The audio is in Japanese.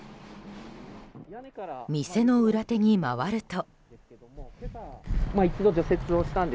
店の裏手に回ると。